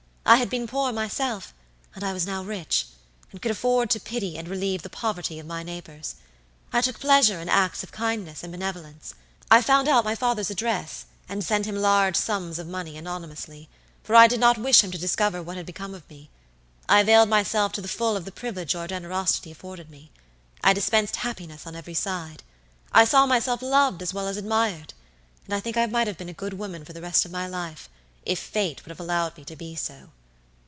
I had been poor myself, and I was now rich, and could afford to pity and relieve the poverty of my neighbors. I took pleasure in acts of kindness and benevolence. I found out my father's address and sent him large sums of money, anonymously, for I did not wish him to discover what had become of me. I availed myself to the full of the privilege your generosity afforded me. I dispensed happiness on every side. I saw myself loved as well as admired, and I think I might have been a good woman for the rest of my life, if fate would have allowed me to be so.